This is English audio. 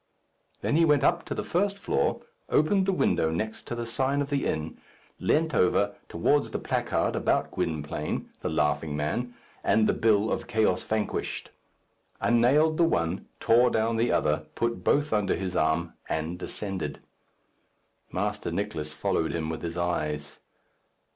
Then he went up to the first floor, opened the window next to the sign of the inn, leant over towards the placard about Gwynplaine, the laughing man, and the bill of "Chaos Vanquished;" unnailed the one, tore down the other, put both under his arm, and descended. Master Nicless followed him with his eyes.